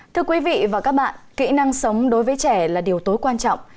thưa quý vị và các bạn kỹ năng sống đối với trẻ là điều tối quan trọng